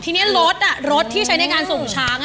ทีนี้รถรถที่ใช้ในการส่งช้าง